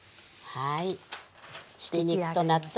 はい。